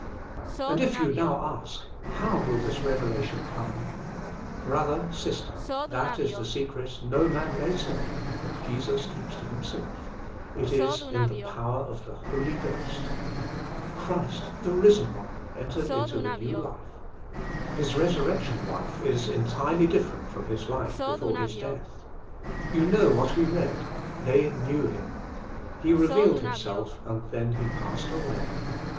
" And if you now ask, How will this revelation come ?" Brother, sister, that is the secret that no man may tell, that Jesus keeps to Himself. It is 5n tbc power ot tbc l)oli2 (3b06t ; Christ, the risen One, entered into a new life. His resurrection life is en tirely different from His life before His death. You know what we read : They knew Him." He revealed Himself, and then He passed away.